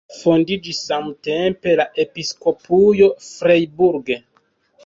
Fondiĝis samtempe la Episkopujo Freiburg.